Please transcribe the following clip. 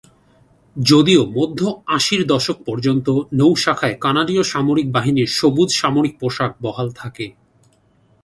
যদিও মধ্য-আশির দশক পর্যন্ত নৌ শাখায় কানাডীয় সামরিক বাহিনীর সবুজ সামরিক পোশাক বহাল থাকে।